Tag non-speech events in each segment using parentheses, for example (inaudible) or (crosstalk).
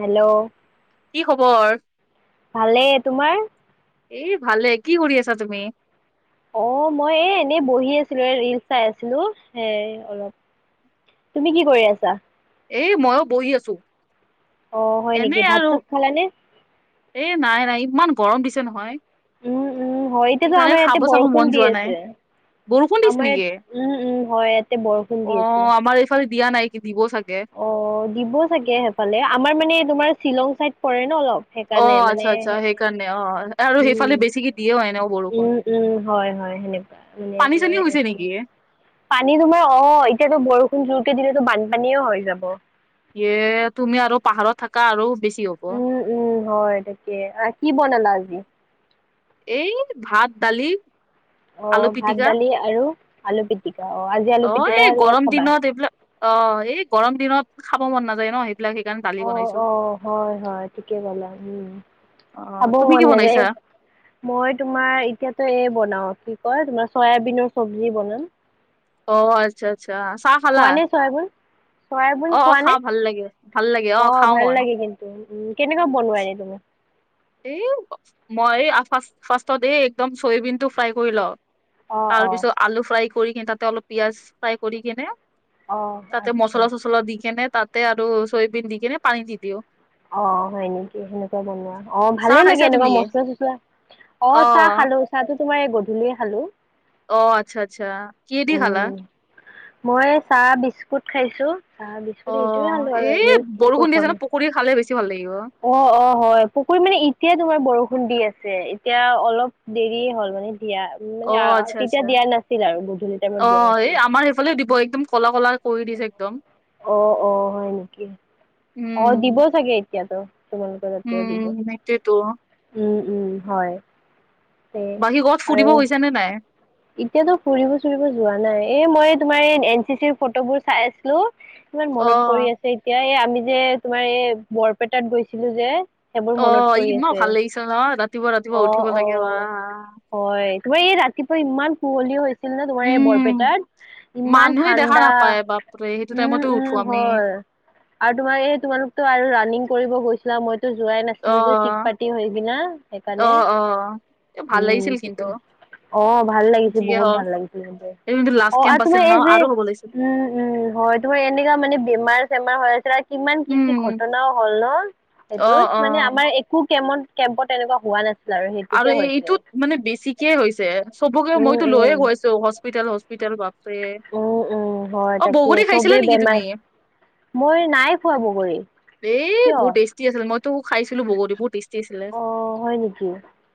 Hello! কি খবৰ? ভালেই তোমাৰ এ ভালে, কি কৰি আছা তুমি? অঁ মই এ এনেই বহি আছিলো, এ ৰিল চাই আছিলো। এ অলপ- তুমি কি কৰি আছা? এই মইয়ো বহি আছোঁ। অঁ হয় নেকি, ভাত চাত খালানে? এ নাই নাই, ইমান গৰম দিছে নহয়। উম উম হয়, এতিয়াতো সেইকাৰণে আমাৰ খাব ইয়াতে চাব মন বৰষুণ দি যোৱা নাই আছে। বৰষুণ দিছে আমাৰ নেকি? ইয়াত উম উম হয় ইয়াতে বৰষুণ দি আছে। সি দিব চাগে অ দিব চাগে সেইফালে আমাৰ মানে তোমাৰ শ্বিলং চাইদ পৰে ন অলপ অ সেইকাৰণে মানে আচ্ছা আচ্ছা সেইকাৰণে অ আৰু উম সেইফালে বেছি কে দিয়েও এনেও বৰষুণ উম উম হয় হয় সেনেকুৱা মানে পানী তোমাৰ চানী হৈছে এইফালে নেকি হে পানী তোমাৰ অ এতিয়াতো বৰষুণ জোৰকে দিলেতো বানপানীয়ে হৈ যাব। এ তুমি আৰু পাহাৰত থাকা আৰু বেছি হ'ব। উম, উম হয় তাকে আ কি বনালা আজি এই ভাত দালি অ আলু ভাত পিটিকা দালি আৰু আলু পিটিকা অ আজি আলু এই পিটিকা গৰম লগত খাবা দিনত এইবিলাক অ এই গৰম দিনত খাব মন নাযায় ন সেই সেইবিলাক সেইকাৰণেই বাদ অ অ হয় হয় ঠিকে কলা উম অ', খাবও তুমি কি মন বনাইছা? নাযায় মই তোমাৰ এতিয়াতো এই বনাও কি কয় তোমাৰ চয়াবিনৰ চব্জি বনাম। অ আচ্ছা আচ্ছা চাহ খালা। খোৱাচোন চয়াবিন অ', অ', খোৱা নে খাওঁ ভাল লাগে ভাল লাগে অ খাওঁ ভাল মই। লাগে কিন্তু উম কেনেকুৱা বনোৱা এনে তুমি এই মই ফাষ্ট ফাৰ্ষ্টত এই একদম চয়বিন টো ফ্ৰাই কৰি লওঁ অ', অ'। তাৰপিছত আলু ফ্ৰাই কৰি কিনে তাতে অলপ পিয়াঁজ ফ্ৰাই কৰি কিনে অ', তাতে আচ্ছা। মছলা চচলা দি কেনে তাতে আৰু চয়াবিন দি কেনে পানী দি দিও অ হয় নিকি সেনেকুৱা বনোৱা অ চাহ ভালে খাইছা লাগে এনেকুৱা তুমি? মচলা চছলা অ চাহ খালো চাহতো তোমাৰ এই গধূলিয়ে খালো অ আচ্ছা আচ্ছা কিহে দি খালা উম, মই চাহ বিস্কুট খাইছোঁ চাহ বিস্কুট এইটোয়ে খালো আৰু আজি একো খোৱা নাই পুুৰী খালে বেছি ভাল লাগিব। অ অ হয় পুখুৰী মানে এতিয়া তোমাৰ বৰষুণ দি আছে এতিয়া অলপ দেৰিয়ে হ'ল মানে দিয়াত অ আচ্ছা আচ্ছা গধূলি টাইমত অ দিয়া এই নাছিল। আমাৰ এইফালেও দিব একদম ক'লা ক'লা কৰি দিছে একদম অ অ হয় নিকি অ উম। দিব চাগে এতিয়াতো তোমালোকৰ তাতেও দিব। উম সেইটোৱেতো উম উম হয় তে বাকী ক'ৰবাত ফুৰিব আৰু গৈছা নে নাই এতিয়াতো ফুৰিব চুৰিব যোৱা নাই এ মই তোমাৰ এন চি চিৰ ৰ ফটোবোৰ চাই আছিলো ইমান মনত পৰি অ', আছে এতিয়া এই আমি যে তোমাৰ এ বৰপেটাত গৈছিলো যে সেইবোৰ অ মনত পৰি ইমান আছে ভাল লাগিছে ন ৰাতিপুৱা অ ৰাতিপুৱা উঠিব অ লাগে বা হয় তোমাৰ এই ৰাতিপুৱা ইমান কুঁৱলি হৈ ছিল ন তোমাৰ এই উম, বৰপেটাত ইমান মানুহে দেখা নাপায় বাপৰে সেইটো ঠাণ্ডা টাইমতো উম উঠো উম আমি হয় আৰু তোমাৰ এই তোমালোকতো আৰু ৰানিং কৰিব গৈছিলা মইতো যোৱাই না- ছিলো যে চিক অ', পাতি হৈ কিনা সেইকাৰণে অ', অ', এ ভাল লাগিছিল উম কি কিন্তু কয় অ ভাল লাগিছিল যিয়ে বহুত হওক ভাল লাগিছিল কিন্তু এই যোনটো লাষ্ট অ কেম্প আৰু আছিল তোমাৰ ন এই যে আৰু হ'ব লাগিছিল উম উম হয় তোমাৰ এনেকা মানে বেমাৰ চেমাৰ হৈ আছিলে আৰ কিমান কি উম, কি ঘটনাও হ'ল ন অ', সেইটোত মানে অ', আমাৰ এ একো কেমন কেম্পত এনেকুৱা হোৱা নাছি আৰু এই এইটোত মানে বেছিকে হৈছে চবকে উম মইতো লৈয়ে উম গৈ আছো হস্পিতেল হস্পিতেল বা উম উম হয় তাকে খাইছিলা চবেই নেকি বেমাৰ তুমি? মই নাই খুৱা বগৰী এ কিয় বহুত টেষ্টি আছিল। মইতো খাইছিলো বগৰী বহু টেষ্টি আছিলে। অ, হয় নেকি?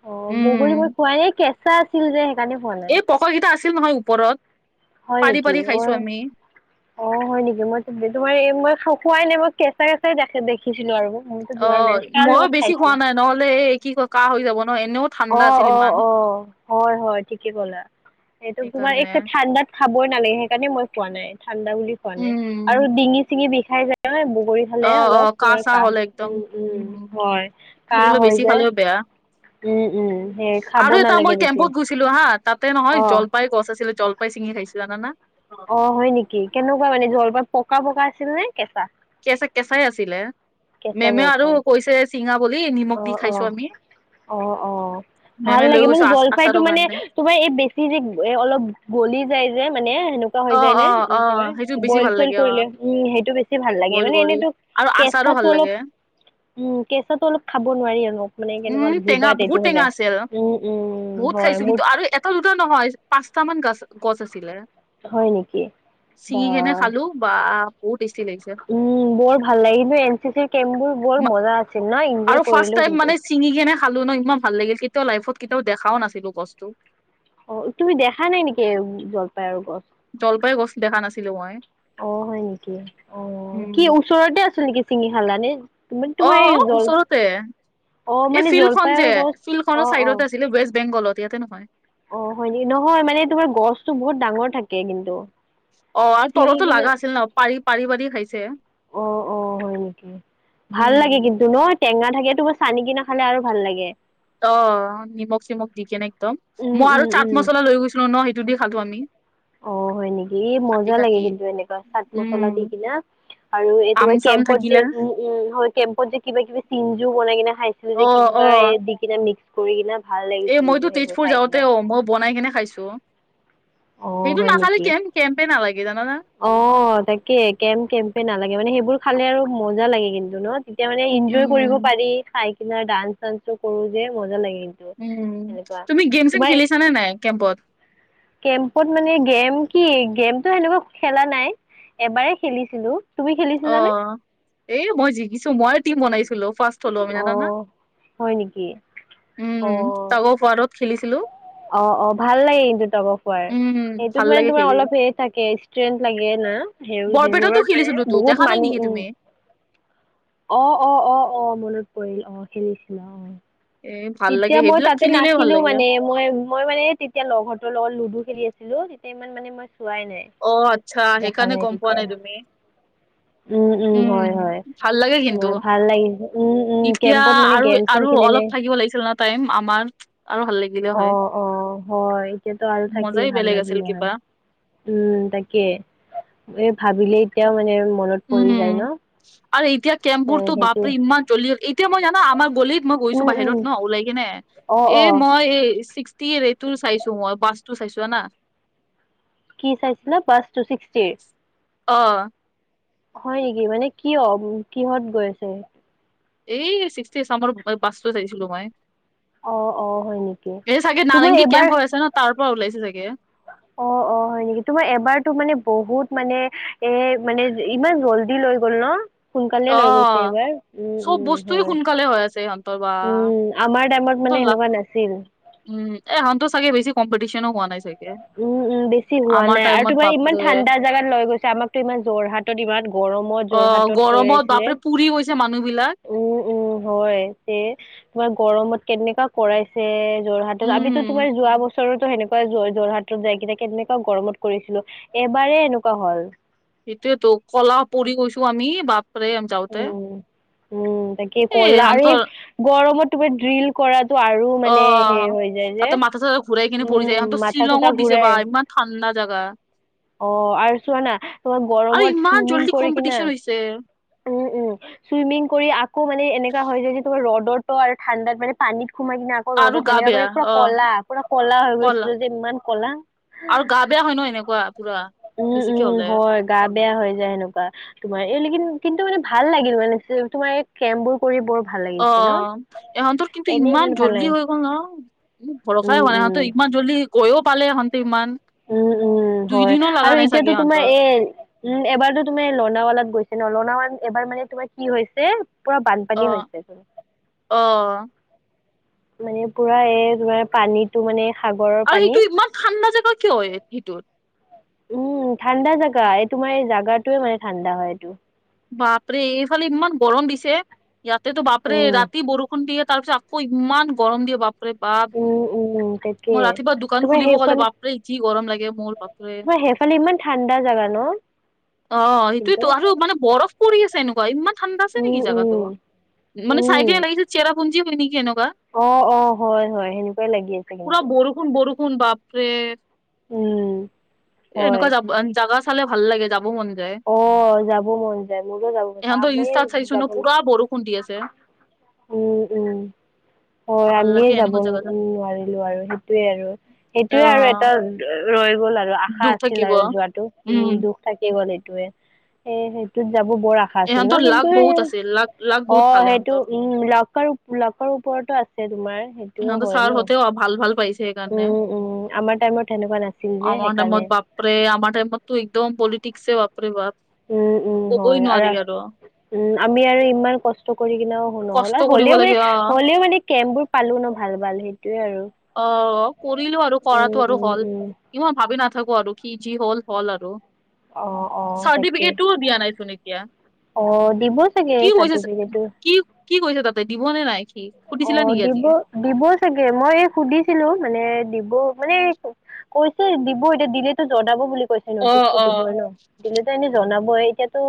অ, বগৰী মই উম খুৱাই কেঁচা আছিল যে সেইকাণে খোৱা নাই। পকাকেইটা আছিল নহয় ওপৰত, হয় পাৰি নেকি পাৰি খাইছো অ আমি। অ, হয় নেকি? মই তোমাৰ এই মই খুৱাই নাই মই কেঁচা কেঁচাই দেখে দেখ দেখিছিলো আৰু মোৰ মন অ যোৱা নাই। কাৰ মই লগত বেছি খোৱা খাইছিলো? নাই নহ'লে এই কি ক অ অ অ। হয় হয়। ঠিকে কলা। এইটো তোমাৰ সেইকাৰণে এক ঠাণ্ডাত খাবই নালাগে। সেইকাৰণে মই খোৱা নাই, ঠাণ্ডা বুলি খোৱা নাই উম, আৰু ডিঙি চিঙি বিষাই যায় ন বগৰী অ খালে অ অলপ (unintelligible) চাহ কাহ হ'লে একদম হম হম, উম হয়, সেইবিলাক কাহ হৈ বেছি যায়। খালেও বেয়া উম উম। সেই খাব আৰু এটা নালাগে মই বেছি। কেম্পত গৈছিলো হা। তাতে নহয় অ জলপাইৰ গছ আছিলে জল পাই চিঙি খাইছিলো। জানা না? অ, হয় নেকি? কেনেকুৱা মানে জলপাই? পকা পকা আছিল নে কেঁচা? কেচা কেঁচাই আছিলে। কেঁচা মেমে আৰু জলপান কৈছে চিঙা বুলি, নিমখ অ দি খাইছো অ আমি। অ অ। ভাল মেমে লৈ লাগে মানে গৈছো আচাৰৰ জলফাইটো মানে কাৰণে তোমাৰ এই বেছি যে এ অলপ গলি যায় যে মানে সেনে হৈ অ', যায় নে? অ', অ', সেইটো (unintelligible) বেছি বইল ভাল চইল লাগে অ', কৰিলে। উম, সেইটো বেছি ভাল লাগে বইল মানে। কৰি এনেতো আৰু আচাৰো কেঁচাটো ভাল অলপ লাগে। উম, কেঁচাটো অলপ খা ব নোৱাৰি আৰু মানে উম, কেনেকুৱা টেঙা জিভা বহুত তেটো হৈ টেঙা যায়, আছিল উম উম বহুত হয় খাইছো কিন্তু মোৰ আৰু এটা দুটা নহয় পাঁচটা মান গাছ গছ আছিলে। হয় নেকি? বা ছিঙি কেনে খালো বা বহুত টেষ্টি লাগিছে। উম, বৰ ভাল লাগিলে। এন চি চিৰ কেম্প বোৰ বৰ মজা আ। (unintelligible) আৰু ফাৰ্ষ্ট টাইম মানে ছিঙি কেনে খালো ন। ইমান ভাল লাগিল কেতিয়াও লাইফত কেতিয়াও দেখাও নাছিলো গছটো। অ, তুমি দেখা নাই নেকি জলপাইৰ গছ? জলপাই গছ দেখা নাছিলো মই। অ, হয় নেকি? অ, কি উম। ওচৰতে আছিল নেকি চিঙি খালানে? অ, ওচৰতে। অ এই মানে ফিল্ড খন জলপাইৰ যে, গছ ফিল্ড অ খনৰ অ চাইডতে আছিলে ৱেষ্ট বেংগলত, ইয়াতে নহয়। অ, হয় নেকি? নহয় মানে তোমাৰ গছতো বহুত ডাঙৰ থাকে কিন্তু। অ, আৰু ছিঙি তলতো কিনে লাগা আছিল ন। পাৰি পাৰি পাৰি খাইছে। অ অ, হয় নেকি? ভাল উম। লাগে কিন্তু ন, টেঙা থাকেতো বচ আনি কিনে খালে আৰু ভাল লাগে। অ', নিমখ চিমখ দি কেনে একদম। উম মই আৰু উম চাট উম মছলা লৈ গৈছিলো ন, সেইটো দি খালো আমি। অ' হয় নেকি? ই কাটি মজা লাগে কাটি কিন্তু এনেকুৱা চাট মছলা দি উম কিনা। আৰু আম এইটোৱে চাম কেম্পত যে থাকিলে উম, হয়। কেম্পত যে কিবা কিবি চিন জো বনাই কিনে খাইছিলো অ যে অ কিবা এ দি কিনে মিক্স কৰি কিনা ভাল লাগিছিল কিন্তু সেইবোৰ খাই কিনা। সম্ভৱ বনাই কেনে খাইছো, অ সেইটো হয় নাখালে নেকি কেম্প কেম্পে নালাগে জানানা? অ' তাকে কেম্প কেম্পে নালাগে, মানে সেইবোৰ খালে আৰু মজা লাগে কিন্তু ন। তেতিয়া মানে ইনজয় কৰিব উম পাৰি। খাই কিনে ডান্স চান্সো কৰো যে মজা লাগে। উম, এনেকুৱা তুমি গেম চেম তোমাৰ খেলিছা নে নাই কেম্পত? কেম্পত মানে গেম কি গেমটো সেনকা খেলা নাই, এবাৰেই খেলিছিলো। তুমি খেলিছিলানে অ', এই মই জিকিছো মই টিম বনাইছিলো ফাৰ্ষ্ট থলোমিনাতা না, অ', হয় নেকি? উম অ', তাকৌ ফওৱাৰত খেলিছিলো। অ' অ' ভাল লাগে কিন্তু টগ অফ ওৱাৰ। উম সেইটোত ভাল মানে লাগে তোমাৰ খেলি অলপ হেইত থাকে ষ্ট্ৰেন্ লাগে না সেই বৰপেটাতো সেইবোৰত মানে খেলিছিলো তো দেখা বহুত নাই নেকি মানুহ উম। তুমি অ' অ' অ' অ', মনত পৰিল অ' খেলিছিলা অ'। এ ভাল লাগে তেতিয়া মই সেইবিলাক তাতে খেলিলে ভাল নাছিলো লাগে। মানে মই মই মানে তেতিয়া লগ হতৰ লগত লুডু খেলি আছিলো তেতিয়া ইমান মানে মই চোৱাই নাই। অ' আচ্ছা দেখা সেইকাৰণে গম পোৱা তেতিয়া। নাই তুমি। উম, উম, হয়, হয় ভাল তোমাৰ ভাল লাগিল উম, উম। তিয়া কেম্পত মানে আৰু গেম চেম আৰু অলপ খেলিলে থাকিব লাগিছিল ন টাইম আমাৰ আৰু ভাল লাগিল অ' অ' হয়, এতিয়াতো আৰু থাকিলে মজাই ভাল বেলেগ আছিল লাগিলে হয়। কিবা উম তাকে, এই ভাবিলেই উম, আৰু এতিয়া এ কেমবোৰতো সেইটো বাপৰে ইমান জলি ইট এতিয়া মই জানা আমাৰ গলিত মই গৈছো উম, উম, বাহিৰত ন ওলাই কিনে অ', এই অ', মই এই ছিক্স তিৰ এইটো চাইছো মই বাছটো চাইছো জানা। কি চাইছিলা বাচটো ছিক্সটিৰ? অ'। হয় নিকি মানে কিয়, কিহত গৈ আছে? এই চিক্সটি চামৰ বাছটো চাইছিলো মই। অ', অ', হয় নেকি এই চাগে তোমাৰ নাৰেংগী এবাৰ কেম্প হৈ আছে ন তাৰ পৰা ওলাইছে চাগে। অ' অ' হয় নিকি তোমাৰ এবাৰতো মানে বহুত মানে এ মানে ইমান জল্দি লৈ গল ন সোনকালে লৈ গৈছে অ এইবাৰ উম চব উম বস্তুৱে হয় সোনকালে হৈ আছে ইহঁতৰ বা উম আমাৰ টাইমত ইহঁতৰ মানে লাক সেনেকুৱা নাছিল উম এহতৰ চাগে বেছি কম্পিটিশ্যনো হোৱা নাই চাগে উম উম বেছি হোৱা আমাৰ নাই আৰু টাইমত তোমাৰ ইমান বাপৰে ঠাণ্ডা জাগাত লৈ গৈছে আমাকতো ইমান যোৰহাট টত ইমান গৰমত অ যোৰহাটত গৰমত কৰাইছিলে বাপৰে পুৰি গৈছে মানুহ বিলাক উম উম হয় তে তোমাৰ গৰমত কেনেকা কৰাইছে যোৰহাটত উম আমিতো তোমাৰ যোৱা বছৰতো সেনেকুৱাই যৰ যোৰহাটত যায়কিনে কেনেকা গৰমত কৰিছিলো এবাৰেই এনেকুৱা হল সেটোয়েতো কলা পৰি গৈছো আমি বাপৰে। যাওঁতে উম উম তাকে এ কলা আৰু এই ইহঁতৰ গৰমত তোমাৰ ড্ৰিল কৰাটো আৰু অ মানে সেই হৈ যায় যে, তাতে মাথা চাথা ঘূৰাই কিনে পৰি যায় উম ইহঁতৰ মাথা শ্বিলঙত চাথা দিছে বা ঘূৰাই। ইমান ঠাণ্ডা জাগা। অ' আৰু চোৱানা তোমাৰ গৰমত চুইমিং কৰি কিনে তে'। (inaudible) উম চুইমিং কৰি আকৌ মানে এনেকা হয় যে যে তোমাৰ ৰ'দতো আৰু ঠাণ্ডাত মানে পানীত সোমাই কিনে মই আৰু ৰদত গা সেনেকা বেয়া কৰি পুৰা অ কলা পুৰা কলা হৈ গৈছিলো যে ইমান কলা আৰু গা বেয়া হয় ন এনেকুৱা পুৰা উম, বেছিকে উম, হলে হয় গা বেয়া হৈ যায় সেনকা তোমাৰ এই লেকিন কিন্তু মানে ভাল লাগিল মানে তোমাৰ এ অ এহঁতৰ কিন্তু এনেই ইমান ভাল লাগে। জল্দি হৈ গ'ল ন মো উম, ভৰষাই হোৱা নাই উম, ইহঁতৰ ইমান জল্দি গৈও পালে ইহঁতে ইমান উম-উম! হয় দুইদিনো লগা আৰু নাই চাগে এতিয়াতো তোমাৰ ইহঁতৰ এই (unintelligible) উম! এবাৰতো তুমি লণাৱালাত গৈছে ন। লণাৱালা এবাৰ মানে তোমাৰ কি হৈছে (inaudible) পুৰা বানপানী হৈছে। (unintelligible) অঁ! (inaudible) মানে পুৰা এই তোমাৰ পানীত (unintelligible) টো মানে সাগৰৰ (inaudible) আৰু সেইটো ইমান ঠাণ্ডা জেগা কিয় হয় সেইটোত? (unintelligible) উম ঠাণ্ডা জেগা। এই তোমাৰ এই জেগাটোৱে মানে ঠাণ্ডা হয় এইটো। (inaudible) বাপৰে এইফালে ইমান গৰম দিছে। ইয়াতেতো বাপৰে উম ৰাতি বৰষুণ দিয়ে তাৰপিছত (inaudible) আকৌ ইমান গৰম দিয়ে বাপৰে বাপ। উম উম তাকে মই ৰাতিপুৱা দোকান তোমাৰ খুলিব গ'লে সেইফালে বাপ (unintelligible) বাপৰে যি গৰম লাগে মোৰ। (inaudible) তোমাৰ সেইফালে ইমান ঠাণ্ডা জাগা ন অহ (inaudible) কিন্তু সেইটোৱেতো আৰু মানে বৰফ পৰি আছে এনেকুৱা ইমান (inaudible) ঠাণ্ডা আছে উম নেকি জেগাটো? উম মানে চাই কেনে লাগিছে এইটো চেৰাপুঞ্জি হয় নেকি এনেকুৱা? (inaudible) অঁ-অঁ! হয়-হয়। সেনেকুৱাই লাগি আছে কিন্তু। (inaudible) বৰষুণ-বৰষুণ বাপৰে (unintelligible) উম হয় এনেকুৱা যাবা জাগা চালে ভাল লাগে যাব মন যায়। (inaudible) অঁ! যাব মন যায় মোৰো যাব মন যায় এহঁতৰ আপুনি ইনষ্টাত চাইছো যাব ন (inaudible) পুৰা বৰষুণ দি আছে উম-উম। (unintelligible) হয়। ভাল আমিয়ে লাগে যাব এনেকুৱা জাগা যাই। নোৱাৰিলো আৰু সেইটোৱেই আৰু অ সেইটোৱেই আৰু এটা (unintelligible) ৰৈ গ'ল আৰু আশা দুখ আছিল থাকিব আৰু যোৱাতো। উম দুখ (inaudible) থাকি গ'ল এইটোৱে। উম সেইটোত যাব বৰ আশা (unintelligible) আশা আছিল ন ইহঁতৰ লাক কিন্তু এই বহুত আছে লাক লাক বহুত অঁ ভাল সেইটো ইহঁতৰ (inaudible) উম লাকৰ-লাকৰ ওপৰতো আছে তোমাৰ। (unintelligible) সেইটোও ইহঁতৰ হয় ন? ছাৰহঁতেও ভাল ভাল পাইছে সেইকাৰণে উম-উম! আমাৰ টাইমত সেনেকুৱা নাছিল যে আমাৰ টাইমত সেইকাৰণে। (inaudible) বাপৰে আমাৰ টাইমতো একদম পলিটিক্সয়ে (inaudible) বাপৰে বাপ। (unintelligible) উম উম ক'বই হয় নোৱাৰি আৰু। (inaudible) উম! আমি আৰু ইমান কষ্ট কৰি কিনেও নহ'ল কষ্ট আৰু কৰিব হ'লেও লাগে মানে অ হ'লেও মানে কেম্পবোৰ (unintelligible) পালোঁ ন ভাল-ভাল সেইটোৱে আৰু। (unintelligible) অ! কৰিলো আৰু উম কৰাটো আৰু উম হ'ল। উম (inaudible) ইমান ভাবি নাথাকোঁ আৰু কি যি হ'ল-হ'ল আৰু। (inaudible) অ', অ', তাকে চাৰ্টিফিকেটটো দিয়া নাই চোন এতিয়া। (inaudible) অ! দিব চাগে কি কৈছে চাৰ্টিফিকেটটো। (unintelligible) কি কি কৰিছা তাতে দিবনে নাই সি সুধিছিলা অ', নিকি আজি? দিব (unintelligible) দিব চাগে মই এই সুধিছিলো মানে দিব মানে (inaudible) কৈছে দিব এতিয়া দিলেতো জনাব বুলি কৈছে। (inaudible) অ নটিচটো অ দিবই ন। দিলেতো এনেই জনাবই এতিয়াতো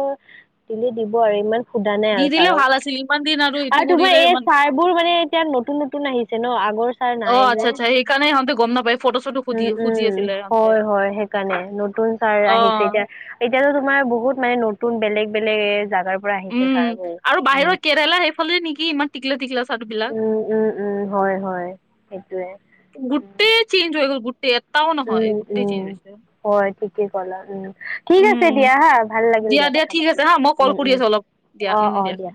দিলে দিব আৰু ইমান (unintelligible) সোধা নাই দি আৰু দিলে ছাৰক। ভাল আছিল ইমান দিন এইটো আৰু তোমাৰ কৰিলে এই ইমান চাৰ (inaudible) চাৰবোৰ মানে এতিয়া নতুন-নতুন আহিছে ন আগৰ ছাৰ অ নাই যে। আচ্ছা আচ্ছা সেইকাৰণে সিহঁতে গম নাপায় ফটো চটো (inaudible) সুধি খুজি উম-উম! আছিলে সিহঁতে। হয়-হয়, সেইকাৰণে নতুন ছাৰ অ আহিছে এতিয়া। (inaudible) এতিয়াতো তোমাৰ বহুত মানে নতুন বেলেগ-বেলেগ এ জাগাৰ (unintelligible) উম! ছাৰবোৰ আৰু উম। বাহিৰৰ কেৰেলা সেইফালে নেকি ইমান টিকলো-টিকলো চাৰবিলাক? (inaudible) উম উম উম! হয়-হয়, সেইটোৱে। (inaudible) গোটেই চেঞ্জ হৈ গল গোটেই এটাও নহয় উম গোটেই চেঞ্জ উম হৈছে। (inaudible) হয় ঠিকেই কলা উম। ঠিক আছে উম। দিয়া হা ভাল লাগিল দিয়া কথা ঠিক পাতি। আছে হা মই কল উম কৰি উম। আছো অলপ দিয়া অ উম অ দিয়া।